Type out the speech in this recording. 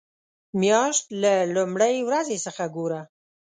مياشت له لومړۍ ورځې څخه ګوره.